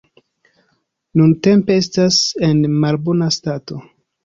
Nuntempe estas en malbona stato.